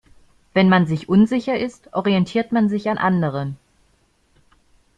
Wenn man sich unsicher ist, orientiert man sich an anderen.